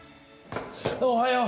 おはよう。